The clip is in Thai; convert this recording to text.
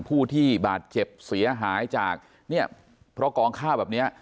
ผู้ที่บาดเจ็บเสียหายจากเนี่ยเพราะกองข้าวแบบเนี้ย